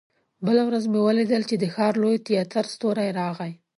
بله ورځ مې ولیدل چې د ښار د لوی تياتر ستورى راغی.